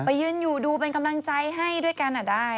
ยืนอยู่ดูเป็นกำลังใจให้ด้วยกันได้